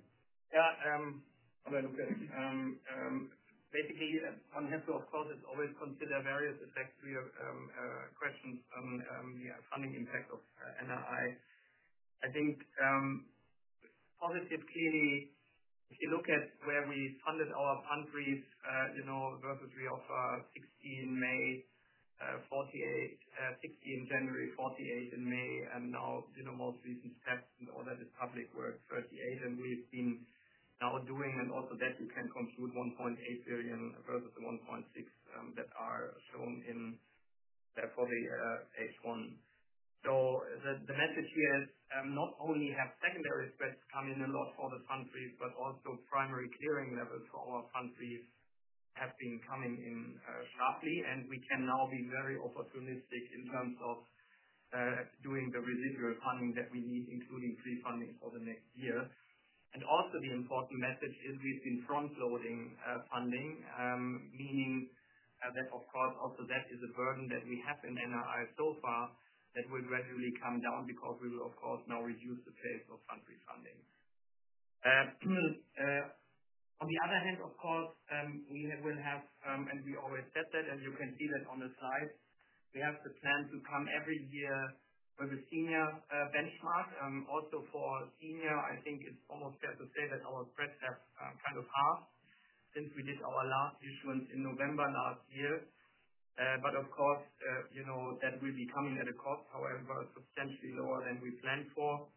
I'm going to read that again. Basically, on the headquarters, always consider various effects to your questions on the funding impact of NRI. I think, positive clearly, if you look at where we funded our countries, you know, because we offer 16 May, 48, 16 January 48 in May, and now, you know, most recent steps and all that is public work 38. We've been now doing and also that we can construe €1.8 billion versus the €1.6 billion that are shown in there for the H1. The message here is, not only have secondary spreads come in a lot for the country, but also primary clearing levels for our countries have been coming in sharply. We can now be very opportunistic in terms of doing the residual funding that we need, including pre-funding for the next year. Also, the important message is we've been front-loading funding, meaning that, of course, also that is a burden that we have in NRI so far that will gradually come down because we, of course, now reduce the phase of country funding. On the other hand, of course, we will have, and we always said that, and you can see that on the slides, we have the plan to come every year for the senior benchmark. Also for senior, I think it's almost fair to say that our spreads have kind of halved since we did our last issuance in November last year. Of course, you know, that will be coming at a cost, however, substantially lower than we planned for.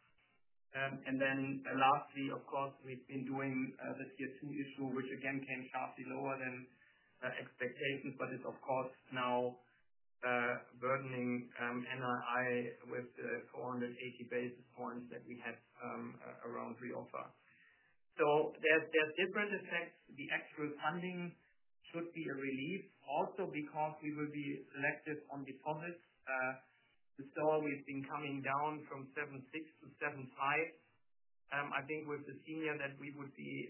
Lastly, of course, we've been doing the Tier 2 issue, which again came slightly lower than expectations, but it's, of course, now burdening NRI with the 480 basis points that we had around reoffer. There's different effects. The actual funding should be a relief, also because we will be selective on deposits. The score we've been coming down from 7.6-7.5. I think with the senior that we would be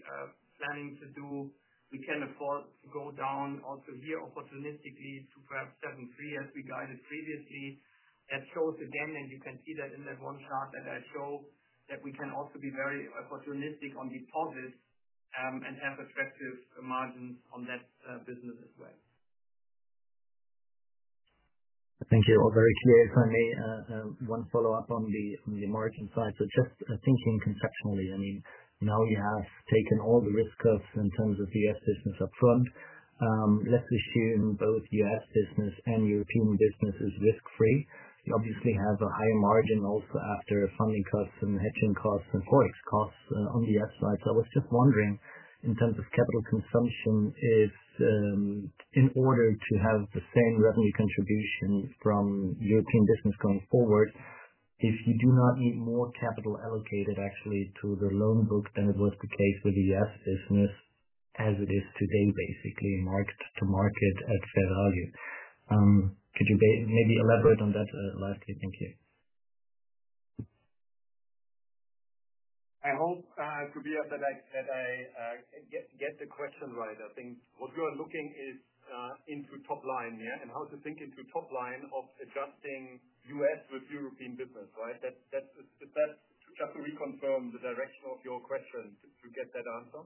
planning to do, we can afford to go down also here opportunistically to perhaps 7.3 as we guided previously. That shows again, and you can see that in that one chart, that we can also be very opportunistic on deposits, and have effective margins on that business as well. Thank you. Very clear, if I may, one follow-up on the margin side. Just thinking conceptually, now you have taken all the risk costs in terms of the U.S. business upfront. Let's assume both U.S. business and European business is risk-free. You obviously have a high margin also after funding costs and hedging costs and correct costs on the U.S. side. I was just wondering, in terms of capital consumption, if, in order to have sustained revenue contributions from European business going forward, if you do not need more capital allocated actually to the loan books than it was the case with the U.S. business as it is today, basically, market to market at fair value. Could you maybe elaborate on that, lastly? Thank you. I hope, Tobias, that I get the question right. I think what you are looking is into top line, yeah, and how to think into top line of adjusting U.S. with European business, right? Is that just to reconfirm the direction of your question to get that answer?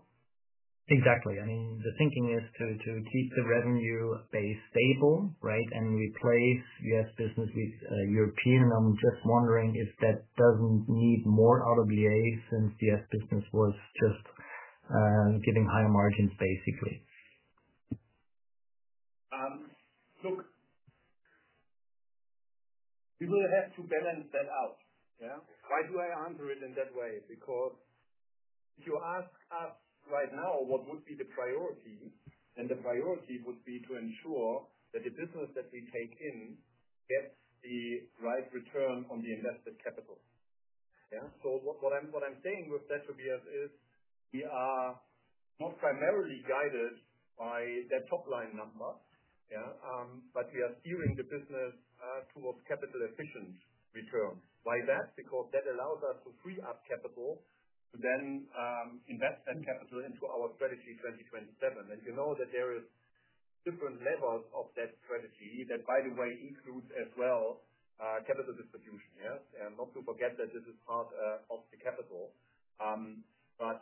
Exactly. I mean, the thinking is to keep the revenue base stable, right, and replace U.S. business with European. I'm just wondering if that doesn't need more RWAs since the U.S. business was just getting higher margins, basically. Look, we will have to balance that out. Why do I answer it in that way? Because if you ask us right now what would be the priority, the priority would be to ensure that the business that we take in gets the right return on the invested capital. What I'm saying with that, Tobias, is we are not primarily guided by the top line numbers, but we are steering the business towards capital efficient return. Why that? Because that allows us to free up capital to then invest that capital into our Strategy 2027. You know that there is a different level of that strategy that, by the way, includes as well, capital distribution. Yes, and not to forget that this is part of the capital. That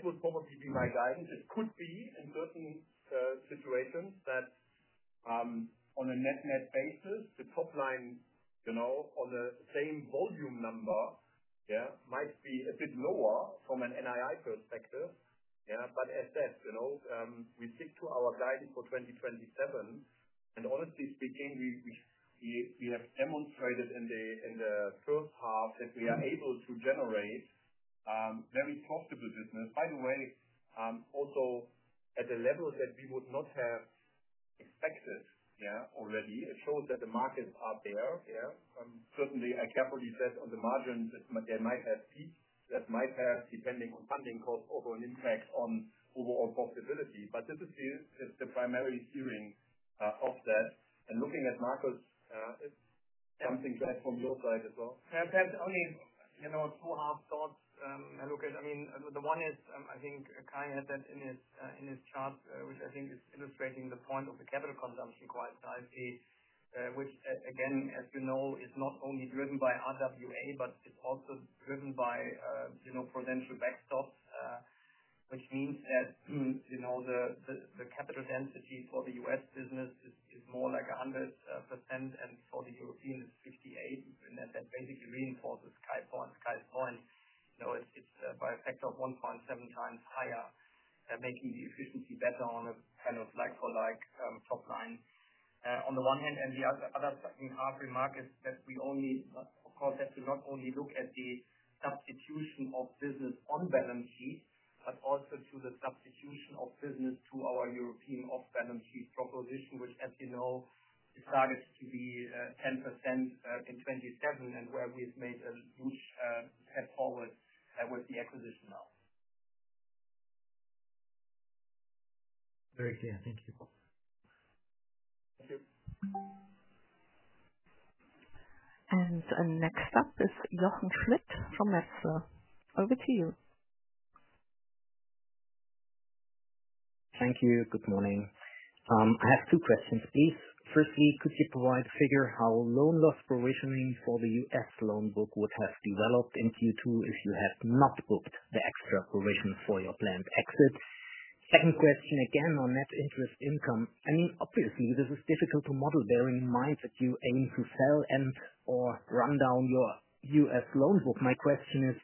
will probably be my guidance. It could be, in certain situations, that, on a net-net basis, the top line, on the same volume number, might be a bit lower from an NRI perspective. As said, we stick to our guidance for 2027. Honestly speaking, we have demonstrated in the first half that we are able to generate very profitable business, by the way, also at a level that we would not have expected already. It shows that the markets are there. Certainly, I can't really say on the margins that they might have peaked, that might have, depending on funding costs, also an impact on overall profitability. This is the primary theory of that. Looking at Marcus, it's something to add from your side as well. That's only, you know, two half thoughts. I mean, the one is, I think, Kay had that in his chart, which I think is illustrating the point of the capital consumption quite nicely, which, again, as we know, is not only driven by RWA, but it's also driven by, you know, credential backstops, which means that, you know, the capital density for the U.S. business is more like 100% and for the European is 58%. That basically reinforces Kay forward. You know, it's by a factor of 1.7x higher. That makes the efficiency better on a kind of like-for-like top line on the one hand, and the other thing I'll remark is that we only, of course, have to not only look at the substitution of business on balance sheet, but also to the substitution of business to our European off-balance sheet proposition, which, as we know, it started to be 10% in 2027 and where we've made a move head forward with the acquisition now. Very clear. Thank you. Next up is Jochen Schmitt from Metzler. Over to you. Thank you. Good morning. I have two questions, please. Firstly, could you provide a figure how loan loss provisioning for the U.S. loan book would have developed in Q2 if you have not booked the extra provisions for your planned exit? Second question, again, on net interest income. I mean, obviously, this is difficult to model bearing in mind that you aim to sell and/or run down your U.S. loan book. My question is,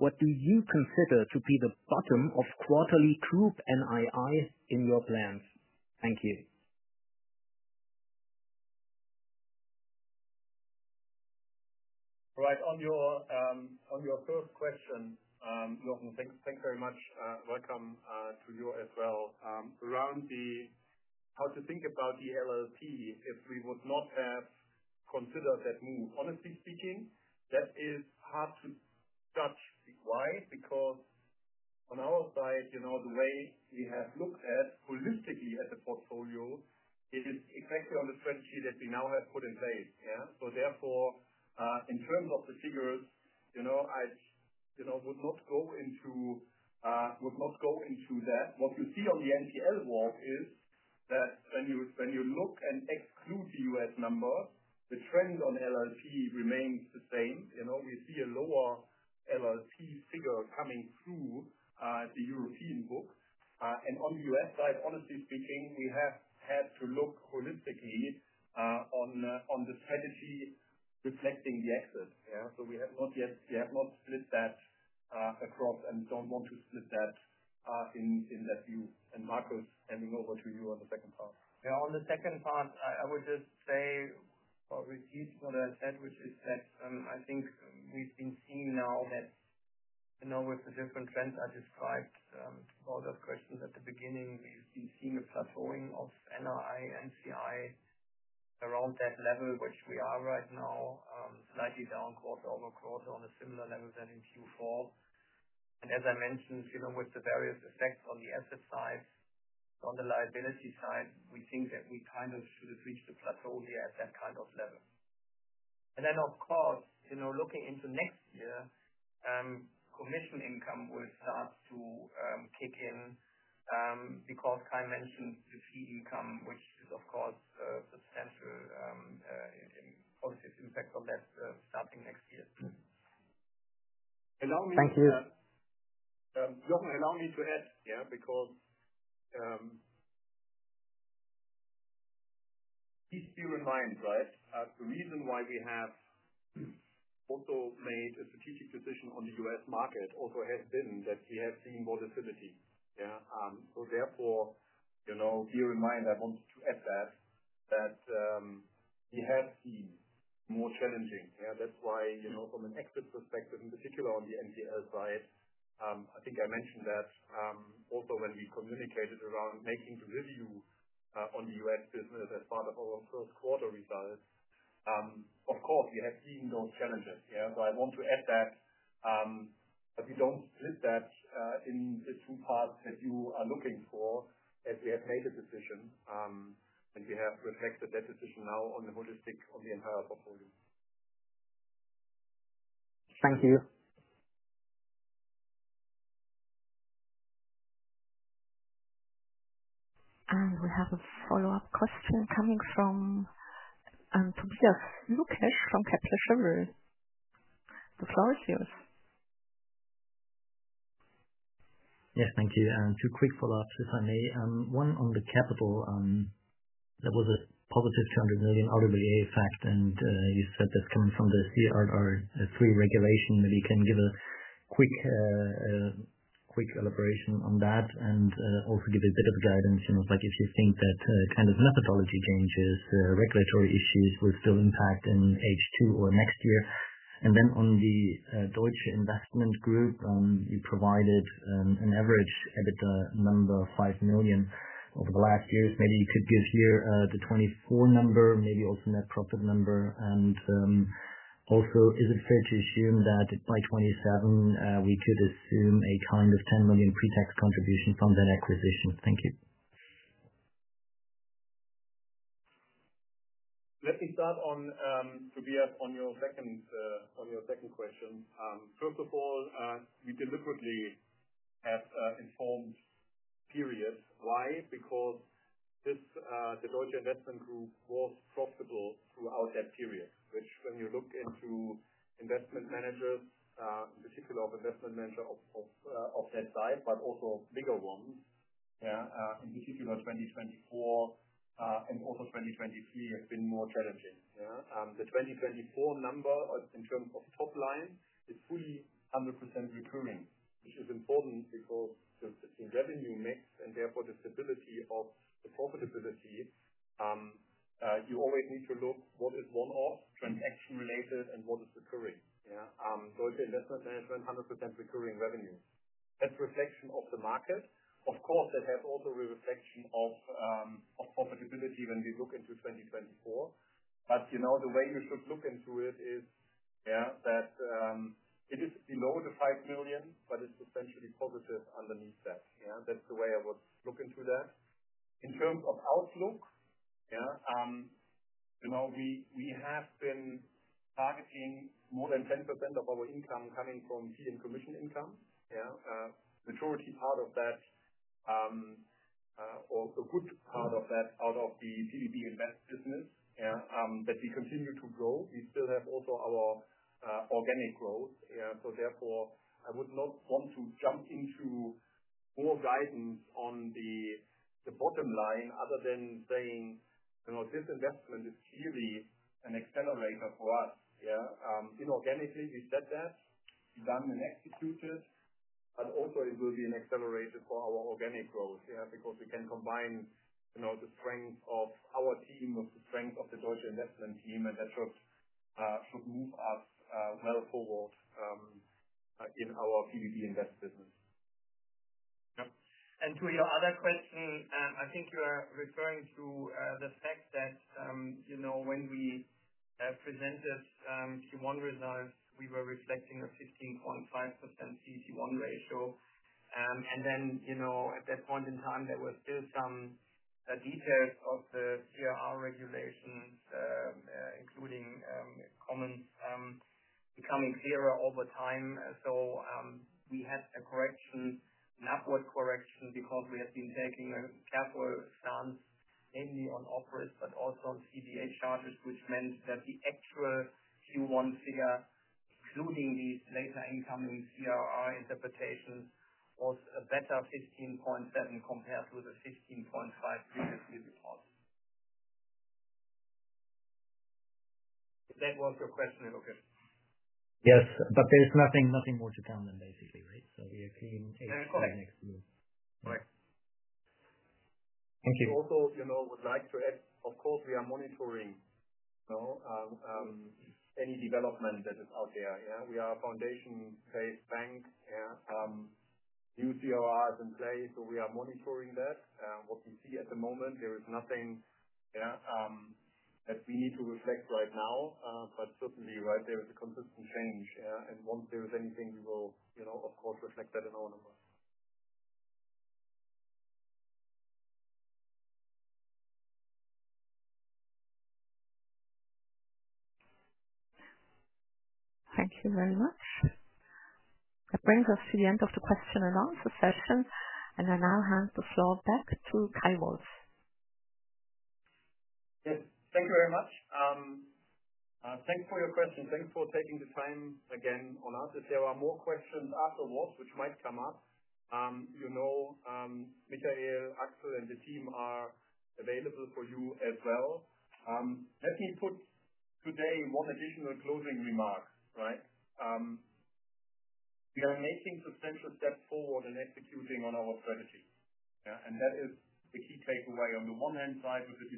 what do you consider to be the bottom of quarterly group NRI in your plans? Thank you. Right. On your first question, Jochen, thanks very much. Welcome to you as well. Around the how to think about the LLP, if we would not have considered that move, honestly speaking, that is hard to judge. Why? Because on our side, you know, the way we have looked holistically at the portfolio is exactly on the strategy that we now have put in place. Yeah. Therefore, in terms of the figures, you know, I would not go into that. What you see on the NPL work is that when you look and exclude the U.S. number, the trend on LLP remains the same. You know, we see a lower LLP figure coming through the European books. On the U.S. side, honestly speaking, we have had to look holistically at the strategy reflecting the exit. Yeah. We have not yet, we have not split that across and don't want to split that in that view. Marcus, handing over to you on the second part. On the second part, I would just say it's easy for that, as we said. I think we've been seeing now with the different trends I described about that question at the beginning, we've been seeing a plateauing of NRI/NCI around that level, which we are right now, slightly down quarter-over-quarter on a similar level than in Q4. As I mentioned, even with the various effects on the asset sides, on the liability side, we think that we kind of should have reached the plateau here at that kind of level. Of course, you know, looking into next year, commission income would help to take in, because Kay mentioned the fee income, which is, of course, a substantial, positive impact on that, starting next year. Thank you. Jochen, allow me to add, because please bear in mind, the reason why we have also made a strategic decision on the U.S. market has been that we have seen volatility. Therefore, bear in mind, I wanted to add that we have seen more challenging conditions. That's why, from an exit perspective, in particular on the NPL side, I think I mentioned that also when we communicated around making the review on the U.S. business as part of our first quarter results. Of course, we have seen those challenges. I want to add that, but we don't fit that in a true path that you are looking for as we have made a decision, and we have reflected that decision now on the holistic of the entire portfolio. Thank you. We have a follow-up question coming from Tobias Lukesch from Kepler Cheuvreux. The floor is yours. Yes, thank you. Two quick follow-ups, if I may. One on the capital. There was a positive €200 million RWA effect, and you said this comes from the CRR3 regulation. Maybe you can give a quick elaboration on that, and also give a bit of guidance, you know, like if you think that kind of methodology changes, regulatory issues would still impact on H2 or next year. On the Deutsche Investment Group, you provided an average EBITDA number of €5 million over the last years. Maybe you could give here the 2024 number, maybe also net profit number. Also, is it fair to assume that by 2027, we could assume a currently formally pre-tax contribution from that acquisition? Thank you. Let me start on your second question. First of all, we deliberately had informed periods. Why? Because the Deutsche Investment Group was profitable throughout that period, which, when you look into investment managers, in particular investment managers of that size, but also bigger ones, in particular 2024 and also 2023, have been more challenging. The 2024 number in terms of top line is fully 100% recurring, which is important because the revenue mix and therefore the stability of the profitability, you always need to look at what is one-off transaction-related and what is recurring. Deutsche Investment Group 100% recurring revenue. That's a reflection of the market. Of course, that has also a reflection of profitability when we look into 2024. The way we should look into it is, yeah, it is below the €5 million, but it's essentially positive underneath that. That's the way I would look into that. In terms of outlook, we have been targeting more than 10% of our income coming from fee and commission income. The majority part of that, or a good part of that, out of the PBB Invest business, we continue to grow. We still have also our organic growth, so therefore, I would not want to jump into more guidance on the bottom line other than saying this investment is really an accelerator for us. Inorganically, we set that. We've done the next few pieces, and also, it will be an accelerator for our organic growth because we can combine the strength of our team with the strength of the growth investment team, and that will move us well forward in our PBB Invest business. Yep. To your other question, I think you're referring to the fact that, you know, when we have presented to One Reserve, we were reflecting a 15.5% CET1 ratio. At that point in time, there were still some details of the CRR regulations, including comments, becoming clearer over time. We had a correction, an upward correction, because we have been taking a several stance mainly on operates, but also CBA charges, which meant that the actual Q1 figure, assuming these later incoming CRR interpretations, was a better 15% than compared to the 16.5% GSB deposit. That was your question, I believe. Yes, there's nothing more to find then, right? We are clean H2 next year. That's correct. Thank you. Also, I would like to add, of course, we are monitoring any development that is out there. We are a foundation-based bank. New CRRs are in place, so we are monitoring that. What we see at the moment, there is nothing that we need to reflect right now. Certainly, there is a consistent change, and once there is anything, we will, of course, reflect that in our number. Thank you very much. That brings us to the end of the question and answer session. I now hand the floor back to Kay Wolf. Thank you very much. Thanks for your questions. Thanks for taking the time again on us. If there are more questions afterwards, which might come up, you know, Michael, Axel, and the team are available for you as well. Let me put today one additional closing remark, right? We are making substantial steps forward in executing on our strategy. That is the key takeaway on the one-hand side with the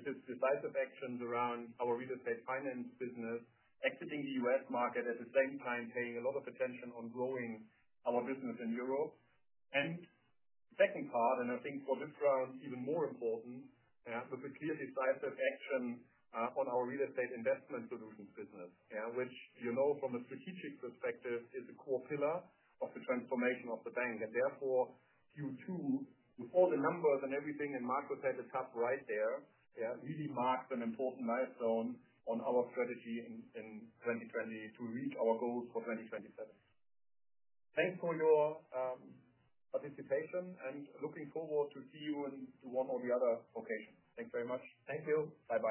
decisive actions around our real estate finance business, exiting the U.S. market at the same time, paying a lot of attention on growing our business in Europe. The second part, and I think for this round, even more important, with the clear decisive action on our real estate investment solutions business, which, you know, from a strategic perspective, is a core pillar of the transformation of the bank. Therefore, Q2, with all the numbers and everything, and Marcus said it's up right there, really marks an important milestone on our strategy in 2020 to reach our goals for 2027. Thanks for your participation and looking forward to see you in the one or the other occasion. Thanks very much. Thank you. Bye-bye.